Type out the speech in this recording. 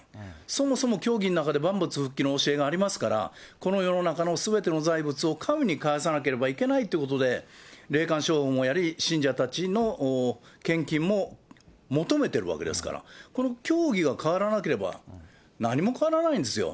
そもそも教義の中で万物復帰の教えがありますから、この世の中のすべての財物を神に返さなければいけないということで、霊感商法もやり、信者たちの献金も求めているわけですから、この教義が変わらなければ、何も変わらないんですよ。